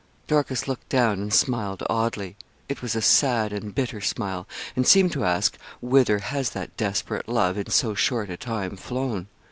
Dorcas looked down and smiled oddly; it was a sad and bitter smile, and seemed to ask whither has that desperate love, in so short a time, flown?